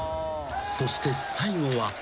［そして最後は］